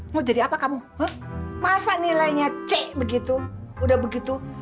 mau jadi apa kamu masa nilainya c begitu udah begitu